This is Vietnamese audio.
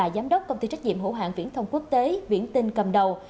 giám đốc công ty trách nhiệm hữu hạng viễn thông quốc tế viễn cầm đầu